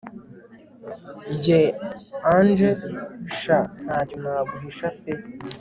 Njye angel sha ntacyo naguhisha pe